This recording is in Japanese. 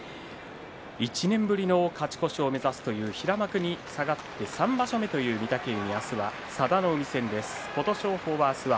１年ぶりの勝ち越しを目指す平幕に下がって３場所目の御嶽海です。